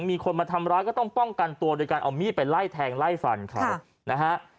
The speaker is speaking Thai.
มีคนมาทำร้ายก็ต้องป้องกันตัวโดยการเอามีดไปไล่แทงไล่ฟันเขานะฮะ